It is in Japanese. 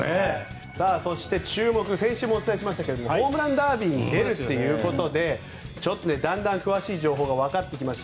そして注目先週もお伝えしましたがホームランダービーに出るということでちょっとだんだん詳しい情報がわかってきました。